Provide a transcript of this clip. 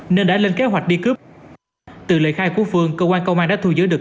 nên đã lên kế hoạch đi cướp từ lời khai của phương cơ quan công an đã thu giữ được